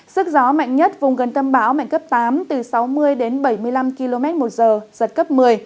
sức gió mạnh nhất vùng gần tâm báo mạnh cấp tám từ sáu mươi đến bảy mươi năm km một giờ giật cấp một mươi